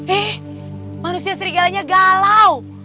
eh manusia serigalanya galau